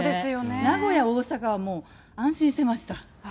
名古屋・大阪はもう安心してました。